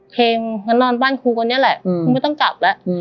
เคมนอนบ้านครูกันเนี่ยแหละไม่ต้องกลับแล้ว